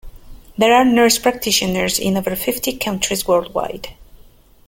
There are nurse practitioners in over fifty countries worldwide.